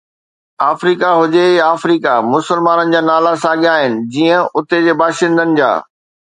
آفريقا هجي يا آفريقا، مسلمانن جا نالا ساڳيا آهن، جيئن اتي جي باشندن جا.